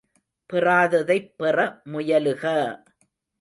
பெறாததைப் பெற முயலுக!